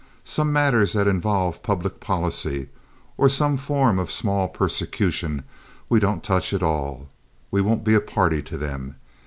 Some matters that involve public policy, or some form of small persecution, we don't touch at all—we won't be a party to them.